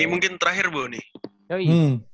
mungkin terakhir bu nih